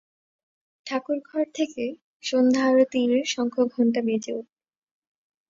ঠাকুরঘর থেকে সন্ধ্যারতির শঙ্খঘণ্টা বেজে উঠল।